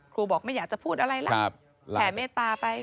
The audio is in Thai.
บอกไม่อยากจะพูดอะไรล่ะแผ่เมตตาไป